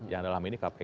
yang dalam ini kpk